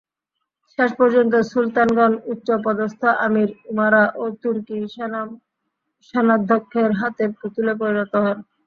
শেষ পর্যন্ত সুলতানগণ উচ্চপদস্থ আমীর-উমারা ও তুর্কী সেনাধ্যক্ষদের হাতের পুতুলে পরিণত হন।